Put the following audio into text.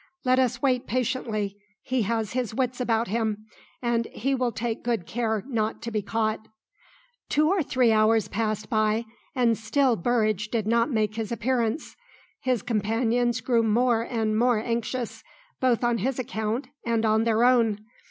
"Let us wait patiently: he has his wits about him, and he will take good care not to be caught." Two or three hours passed by and still Burridge did not make his appearance. His companions grew more and more anxious, both on his account and on their own.